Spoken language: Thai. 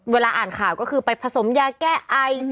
เวลาอ่านข่าวก็คือไปผสมยาแก้ไอ